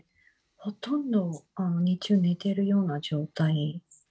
ほとんど日中は寝てるような状態。